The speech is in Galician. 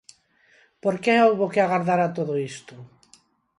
¿Por que houbo que agardar a todo isto?